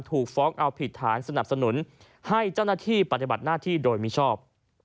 ถูกฟ้องเอาผิดฐานสนับสนุนให้เจ้าหน้าที่ปฏิบัติหน้าที่โดยมิชอบ